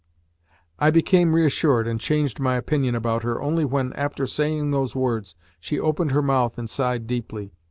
I became reassured and changed my opinion about her only when, after saying those words, she opened her mouth and sighed deeply.